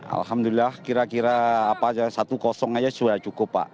alhamdulillah kira kira satu kosong aja sudah cukup pak